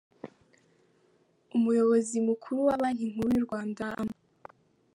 Umuyobozi mukuru wa banki nkuru y’u Rwanda Amb.